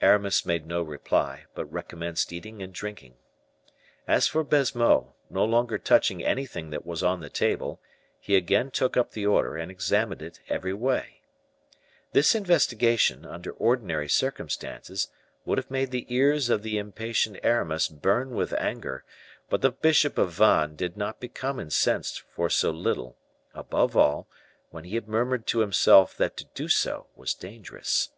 Aramis made no reply, but recommenced eating and drinking. As for Baisemeaux, no longer touching anything that was on the table, he again took up the order and examined it every way. This investigation, under ordinary circumstances, would have made the ears of the impatient Aramis burn with anger; but the bishop of Vannes did not become incensed for so little, above all, when he had murmured to himself that to do so was dangerous.